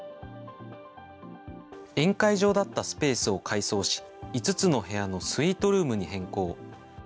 宴会場だったスペースを改装し、５つの部屋のスイートルームに変更。